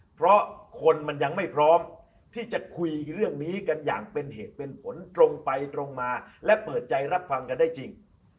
เพราะคนมันยังไม่พร้อมที่จะคุยเรื่องนี้กันอย่างเป็นเหตุเป็นผลตรงไปตรงมาและเปิดใจรับฟังกันได้จริง